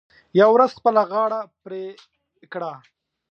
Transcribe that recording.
یوه ورځ خپله غاړه پرې کړه .